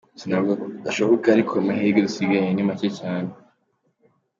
Sinavuga ko bidashoboka ariko amahirwe dusigaranye ni make cyane.